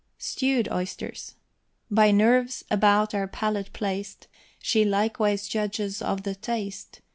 STEWED OYSTERS. By nerves about our palate placed, She likewise judges of the taste.